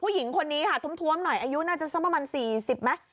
ผู้หญิงคนนี้ค่ะถุ้มถวมหน่อยอายุน่าจะสมมุมสี่สิบมั้ย